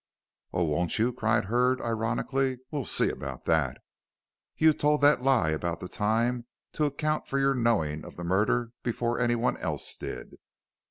"Oh, won't you?" cried Hurd, ironically, "we'll see about that. You told that lie about the time to account for your knowing of the murder before anyone else did."